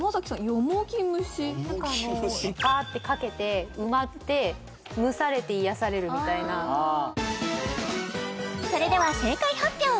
よもぎ蒸し何かあのバーってかけて埋まって蒸されて癒やされるみたいなそれでは正解発表